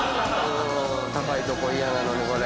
高いとこ嫌なのにこれ。